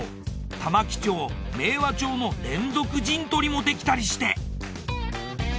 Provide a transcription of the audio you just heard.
玉城町明和町の連続陣取りもできたりして？